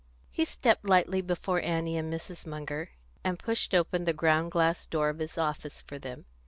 He stepped lightly before Annie and Mrs. Munger, and pushed open the ground glass door of his office for them.